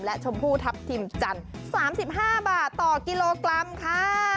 และชมพูทัพทิมจันทร์๓๕บาทต่อกิโลกรัมค่ะ